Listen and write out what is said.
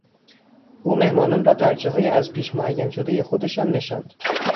او مهمانان را در جاهای از پیش معین شدهی خودشان نشاند.